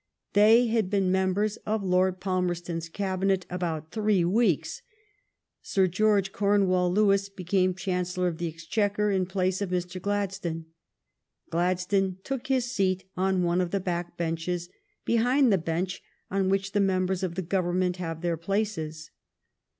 They had been members of Lord Palmerston's Cabinet about three weeks. Sir George Cornewall Lewis became Chancellor of the Exchequer in place of Mr, Glad stone. Gladstone took his seat on one of the back benches, be hind the bench on which the members of the Government have their places.